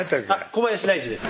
小林大地です